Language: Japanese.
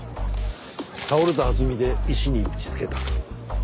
倒れた弾みで石に打ちつけたか。